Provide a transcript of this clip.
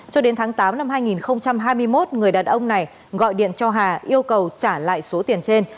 cho đến tháng tám năm hai nghìn hai mươi một người đàn ông này gọi điện cho hà yêu cầu trả lại số tiền trên